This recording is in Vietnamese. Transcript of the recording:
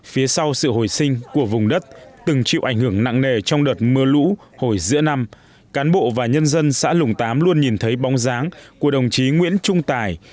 phía sau sự hồi sinh của vùng đất từng chịu ảnh hưởng nặng nề trong đợt mưa lũ hồi giữa năm cán bộ và nhân dân xã lùng tám luôn nhìn thấy bóng dáng của đồng chí nguyễn trung tài